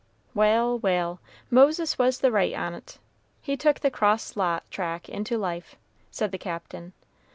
"Wal', wal', Moses was in the right on't. He took the cross lot track into life," said the Captain.